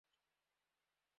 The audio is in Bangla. এতদিন বাঁচার রহস্যটা কি?